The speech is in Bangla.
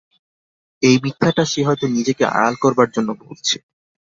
এই মিথ্যাটা সে হয়তো নিজেকে আড়াল করবার জন্যে বলছে।